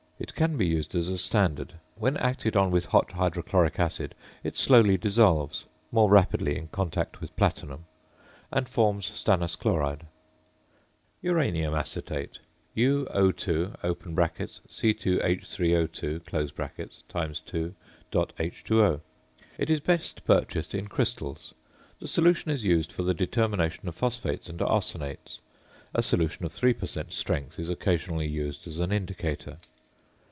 It can be used as a standard. When acted on with hot hydrochloric acid it slowly dissolves (more rapidly in contact with platinum) and forms stannous chloride. ~Uranium Acetate~, UO_(C_H_O_)_.H_O. It is best purchased in crystals. The solution is used for the determination of phosphates and arsenates. A solution of 3 per cent. strength is occasionally used as an indicator.